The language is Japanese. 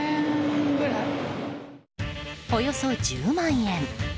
およそ１０万円。